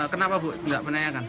kenapa bu gak menanyakan